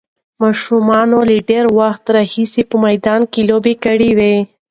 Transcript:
ماشومانو له ډېر وخت راهیسې په میدان کې لوبې کړې وې.